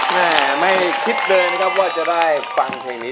ม่ายไม่คิดเลยนะครับว่าจะได้ฟังถึงมิ